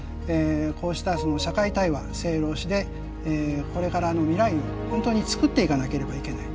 こうしたその社会対話政・労・使でこれからの未来を本当につくっていかなければいけない。